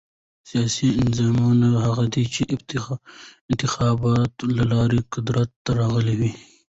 سیاسي انتظامیه هغه ده، چي انتخاباتو له لاري قدرت ته راغلي يي.